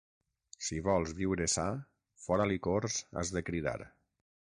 Si vols viure sa, fora licors has de cridar.